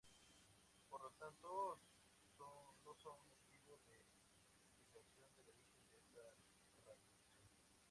Por lo tanto, no son motivo de explicación del origen de esta radiación.